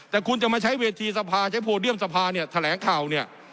แต่คุณจะมาใช้เวทีสภาใช้โพเดียมสภาเนี่ยแถลงข่าวเนี่ย